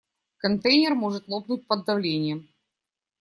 Контейнер может лопнуть под давлением.